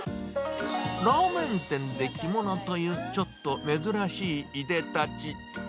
ラーメン店で着物というちょっと珍しいいでたち。